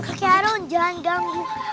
kakek harun jangan ganggu